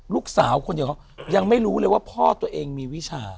ลูกสาวคนเดียวเขายังไม่รู้เลยว่าพ่อตัวเองมีวิชา